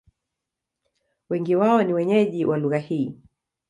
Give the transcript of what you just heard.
Wengi wao ni wenyeji wa lugha hii.